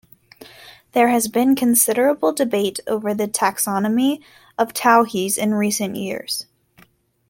There has been considerable debate over the taxonomy of towhees in recent years.